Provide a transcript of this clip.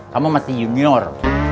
kamu masih junior